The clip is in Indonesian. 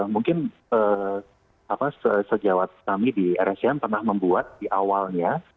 mungkin sejawat kami di rscm pernah membuat di awalnya